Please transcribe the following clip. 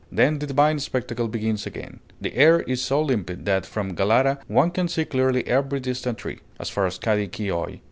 Then the divine spectacle begins again. The air is so limpid that from Galata one can see clearly every distant tree, as far as Kadi Kioi.